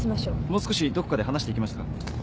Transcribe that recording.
もう少しどこかで話していきますか？